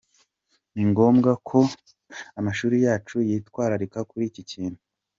Ni ngombwa ko amashuri yacu yitwararika kuri iki kintu.